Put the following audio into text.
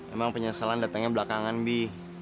emang penyesalan datangnya belakangan bi